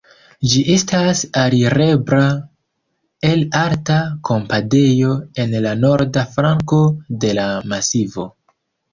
Ĝi estas alirebla el alta kampadejo en la norda flanko de la masivo.